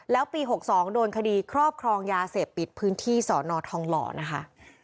แล้วปี๖๒โดนคดีครอบครองยาเสพติดพื้นที่สอนอทองหล่อนะคะ